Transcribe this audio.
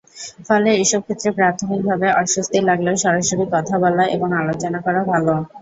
ফলে এসব ক্ষেত্রে প্রাথমিকভাবে অস্বস্তি লাগলেও সরাসরি কথা বলা এবং আলোচনা করা ভালো।